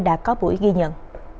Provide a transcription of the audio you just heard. đã có buổi ghi nhận